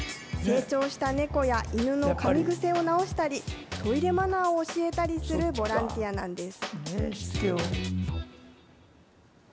成長した猫や犬のかみ癖を直したり、トイレマナーを教えたりするボランティアなんです。